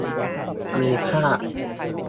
มีภาพ